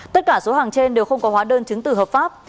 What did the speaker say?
tất cả số hàng trên đều không có hóa đơn chứng tử hợp pháp